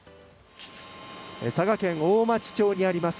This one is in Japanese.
佐賀県大町町にあります